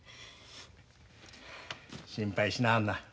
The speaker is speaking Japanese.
心配しなはんな。